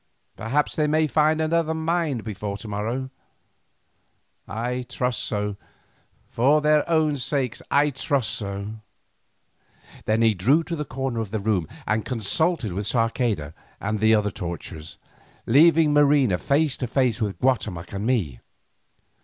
Perhaps they may find another mind before to morrow. I trust so, for their own sakes I trust so!" Then he drew to the corner of the room and consulted with Sarceda and the other torturers, leaving Marina face to face with Guatemoc and with me.